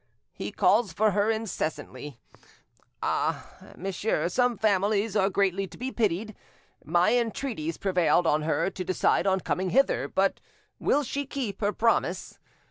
He calls for her incessantly. Ah! monsieur, some families are greatly to be pitied! My entreaties prevailed on her to decide on coming hither, but will she keep her promise?